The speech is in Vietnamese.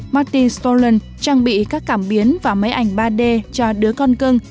martin stolland trang bị các cảm biến và máy ảnh ba d cho đứa con cưng